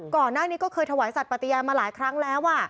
ก่อนหน้านี้ก็เคยถวายสัตว์ปฏิญาณมาหลายครั้งแล้ว